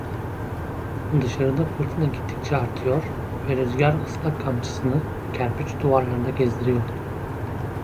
Dışarıda fırtına gittikçe artıyor ve rüzgar ıslak kamçısını kerpiç duvarlarda gezdiriyordu.